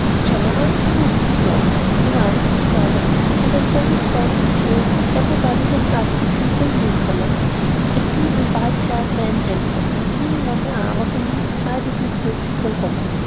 "General and Mrs. Snowden," announced the servant, and a sudden pause ensued as everyone looked up to greet the newcomers. A feeble, white haired old man entered, leaning on the arm of an indescribably beautiful woman.